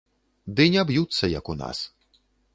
Ды не б'юцца, як у нас.